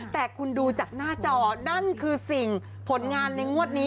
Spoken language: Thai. แต่คุณดูจากหน้าจอนั่นคือสิ่งผลงานในงวดนี้